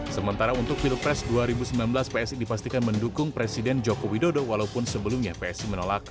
sementara untuk pilpres dua ribu sembilan belas psi dipastikan mendukung presiden joko widodo walaupun sebelumnya psi menolak